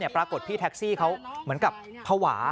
ปรากฏพี่แท็กซี่เขาเหมือนกับภาวะ